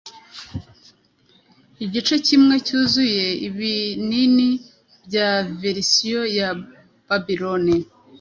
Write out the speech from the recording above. Igice kimwe cyuzuye ibinini bya verisiyo ya Babiloni